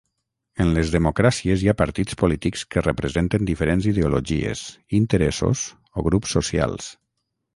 En les democràcies hi ha partits polítics que representen diferents ideologies, interessos o grups socials.